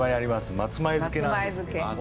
松前漬けなんですけども。